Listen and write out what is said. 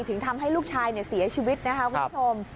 ถึงทำให้ลูกชายเสียชีวิตนะคะคุณผู้ชม